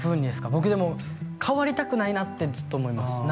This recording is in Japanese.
僕でも変わりたくないなってずっと思いますああ